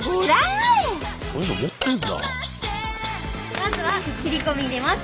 まずは切り込み入れます。